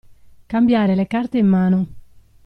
Cambiare le carte in mano.